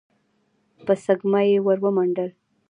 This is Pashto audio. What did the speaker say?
په سږمه يې ور ومنډل.